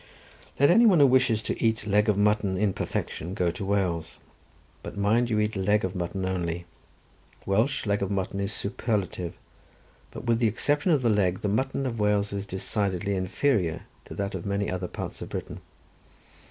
Let any one who wishes to eat leg of mutton in perfection go to Wales, but mind you to eat leg of mutton only. Welsh leg of mutton is superlative; but with the exception of the leg, the mutton of Wales is decidedly inferior to that of many other parts of Britain.